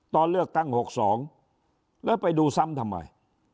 ตอนเลือกตั้ง๖๒แล้วไปดูซ้ำทำไม